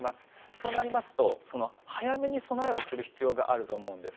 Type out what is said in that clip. そうなりますと早めの備えをする必要があると思うんです。